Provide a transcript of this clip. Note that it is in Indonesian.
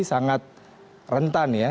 sangat rentan ya